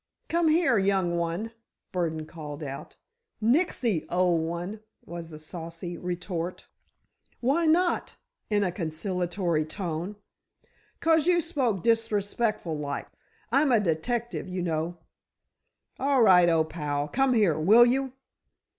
"Come here, young one," Burdon called out. "Nixy, old one," was the saucy retort. "Why not?" in a conciliatory tone. "'Cause you spoke disrespectful like. I'm a detective, you know." "All right, old pal; come here, will you?"